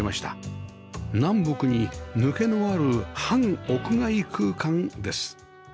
南北に抜けのある半屋外空間です